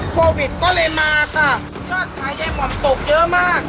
โควิดก็เลยมาค่ะยอดขายได้ห่อมตกเยอะมาก